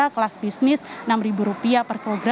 kelas bisnis rp enam per kilogram